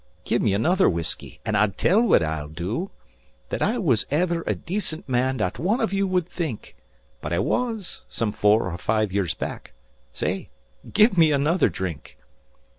Give me another whiskey, and I'll tell what I'll do That I was ever a decent man not one of you would think; But I was, some four or five years back. Say, give me another drink.